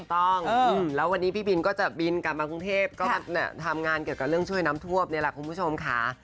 ต้องแล้ววันนี้พี่บินก็จะบินกลับมากรุงเทพก็ทำงานเกี่ยวกับเรื่องช่วยน้ำท่วมนี่แหละคุณผู้ชมค่ะ